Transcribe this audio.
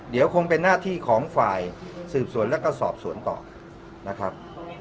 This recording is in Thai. เดี๋ยวคงเป็นหน้าที่ของฝ่ายสืบสวนแล้วก็สอบสวนต่อนะครับ